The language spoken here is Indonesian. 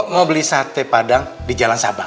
mau beli sate padang di jalan sabang